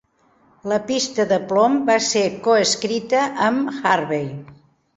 La pista de plom va ser co-escrita amb Harvey.